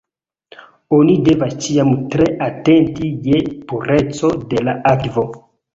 Oni devas ĉiam tre atenti je pureco de la akvo.